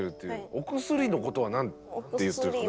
お薬のことはなんて言ってるんですか？